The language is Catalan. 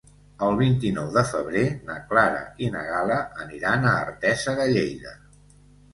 El vint-i-nou de febrer na Clara i na Gal·la aniran a Artesa de Lleida.